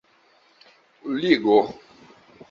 ligo